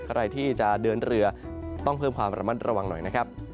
ใครที่จะเดินเรือต้องเพิ่มความระมัดระวังหน่อยนะครับ